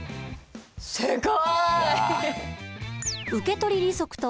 正解！